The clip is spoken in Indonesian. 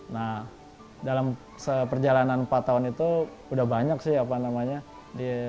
nah dalam seperjalanan empat tahun itu udah banyak sih apa namanya